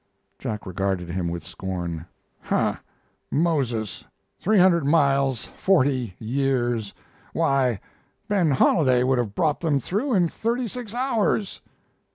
Jack regarded him with scorn. "Huh, Moses three hundred miles forty years why, Ben Holiday would have brought them through in thirty six hours!"